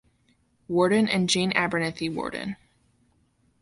Warden and Jane Abernathy Warden.